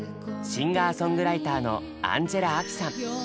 シンガーソングライターのアンジェラ・アキさん。